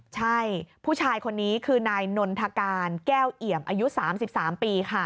ใช่ผู้ชายคนนี้คือนายนนทการแก้วเอี่ยมอายุ๓๓ปีค่ะ